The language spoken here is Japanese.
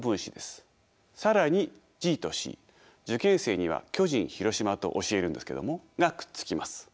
更にＧとＣ受験生には巨人広島と教えるんですけどもがくっつきます。